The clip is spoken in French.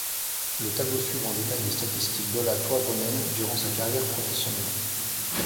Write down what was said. Le tableau suivant détaille les statistiques d'Ola Toivonen durant sa carrière professionnelle.